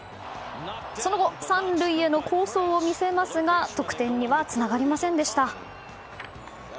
その後、３塁への好走を見せますが得点にはつながりませんでした。